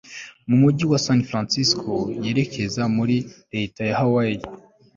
mu mujyi wa san francisco yerekeza muri leta ya hawayi